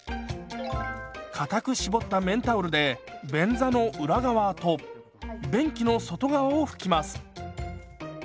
かたく絞った綿タオルで便座の裏側と便器の外側を拭きます。